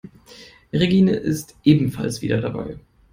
Regine ist ebenfalls wieder dabei.